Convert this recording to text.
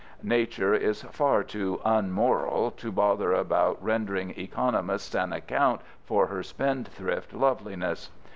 Nature is far too unmoral to bother about rendering economists an account for her spendthrift loveliness.